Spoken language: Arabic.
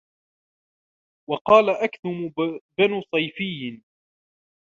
وَقَالَ أَكْثَمُ بْنُ صَيْفِيٍّ